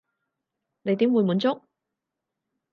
你點會滿足？